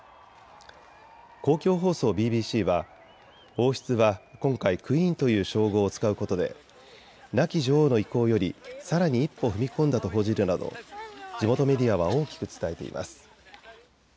公共放送ＢＢＣは王室は今回、クイーンという称号を使うことで亡き女王の意向よりさらに一歩踏み込んだと報じるなど地元メディアは大きく伝えています。